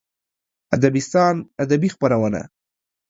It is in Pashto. ادبستان ادبي خپرونه